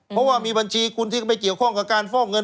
เพราะว่ามีบัญชีคุณที่ไม่เกี่ยวข้องกับการฟอกเงิน